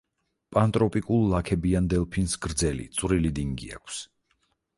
პანტროპიკულ ლაქებიან დელფინს გრძელი, წვრილი დინგი აქვს.